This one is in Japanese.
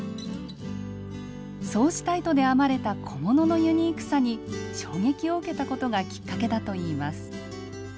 そうした糸で編まれた小物のユニークさに衝撃を受けたことがきっかけだといいます。